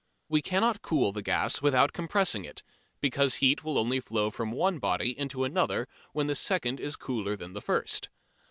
We cannot cool the gas without compressing it, because heat will only flow from one body into another when the second is cooler than the first.